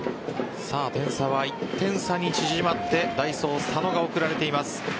点差は１点差に縮まって代走・佐野が送られています。